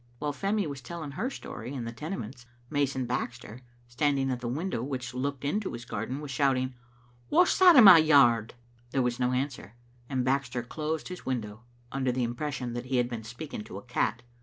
While Femie was telling her story in the Tenements, mason Baxter, standing at the window which looked into his garden, was shouting, "Wha's that in my yard?" There was no answer, and Baxter closed his window, under the impression that he had been speak ing to a cat.